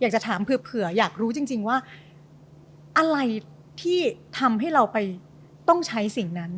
อยากจะถามเผื่ออยากรู้จริงว่าอะไรที่ทำให้เราไปต้องใช้สิ่งนั้น